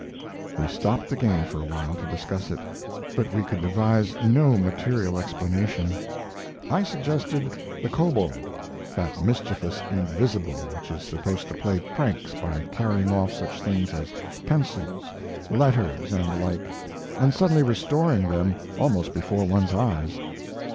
We stopped the game for a while to discuss it, but we could devise no material explanation. I suggested the kobold that mischievous invisible which is supposed to play pranks by carrying off such things as pencils, letters, and the like, and suddenly restoring them almost before one's eyes.